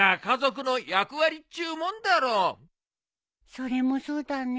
それもそうだね。